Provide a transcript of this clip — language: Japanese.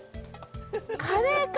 カレーか。